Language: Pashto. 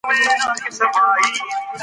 څېړنې کې پنځه کسانو ګډون درلود.